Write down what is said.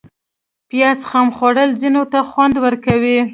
پیاز خام خوړل ځینو ته خوند ورکوي